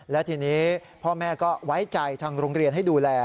และทีนี้พ่อแม่ก็ไว้ใจทางโรงเรียนให้ดูแล